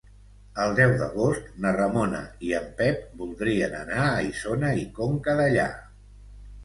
El deu d'agost na Ramona i en Pep voldria anar a Isona i Conca Dellà.